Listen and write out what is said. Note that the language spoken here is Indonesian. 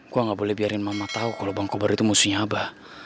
gue gak boleh biarin mama tau kalau bang kobar itu musuhnya abah